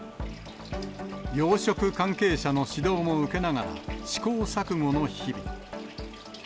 養殖関係者の指導も受けながら、試行錯誤の日々。